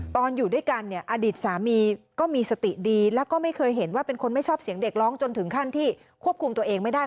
อยู่ด้วยกันเนี่ยอดีตสามีก็มีสติดีแล้วก็ไม่เคยเห็นว่าเป็นคนไม่ชอบเสียงเด็กร้องจนถึงขั้นที่ควบคุมตัวเองไม่ได้